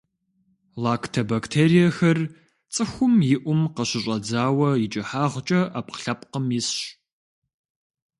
Лактобактериехэр – цӏыхум и ӏум къыщыщӏэдзауэ икӏыхьагъкӏэ ӏэпкълъэпкъым исщ.